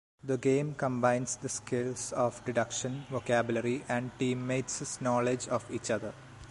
The game combines the skills of deduction, vocabulary and teammates’ knowledge of each other.